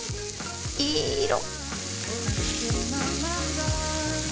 いい色！